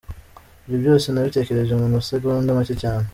Ibyo byose nabitekereje mu masegonda make cyane.